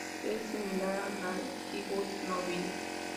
Es similar a "Narcissus nobilis".